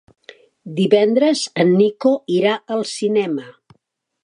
Divendres en Nico irà al cinema.